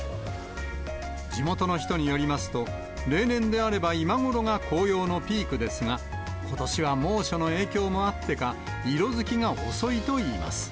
地元の人によりますと、例年であれば今頃が紅葉のピークですが、ことしは猛暑の影響もあってか、色づきが遅いといいます。